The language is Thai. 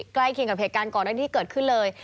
ใกล้เคียงกับเหตุการณ์ก่อนนั้นที่เกิดขึ้นเลย